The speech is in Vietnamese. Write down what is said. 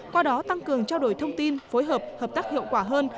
qua đó tăng cường trao đổi thông tin phối hợp hợp tác hiệu quả hơn